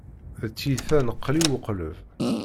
D tiyita n qli u qleb.